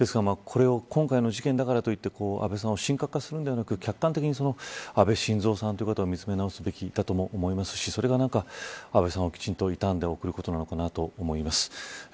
今回の事件だからといって安倍さんを神格化するのではなく客観的に安倍晋三さんという方を見つめ直すべきだとも思いますしそれが安倍さんを、きちんと送ることなのかなと思います。